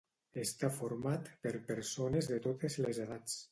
Està format per persones de totes les edats.